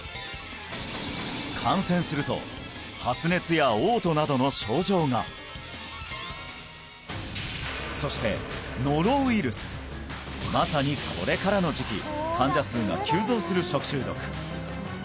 感染すると発熱や嘔吐などの症状がそしてまさにこれからの時期患者数が急増する食中毒